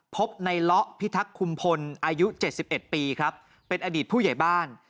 พบในล้อพิทักษ์คุมพลอายุเจ็ดสิบเอ็ดปีครับเป็นอดีตผู้ใหญ่บ้าน